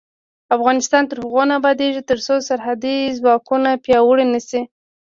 افغانستان تر هغو نه ابادیږي، ترڅو سرحدي ځواکونه پیاوړي نشي.